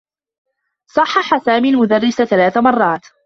صحّح سامي المدرّس ثلاث مرّات.